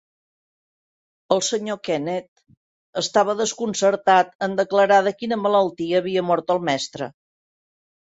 El senyor Kenneth estava desconcertat en declarar de quina malaltia havia mort el mestre.